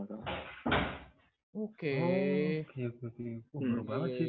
baru banget sih itu